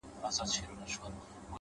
اوس مي لا په هر رگ كي خـوره نـــه ده ـ